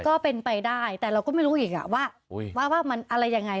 ก็เป็นไปได้แต่เราก็ไม่รู้อีกว่ามันอะไรยังไง